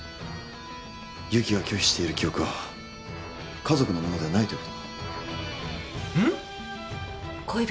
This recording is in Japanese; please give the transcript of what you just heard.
由岐が拒否している記憶は家族のものではないということか。